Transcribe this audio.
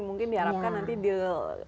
mungkin diharapkan nanti deal